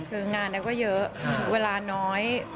คืองานเราก็เยอะเวลาน้อย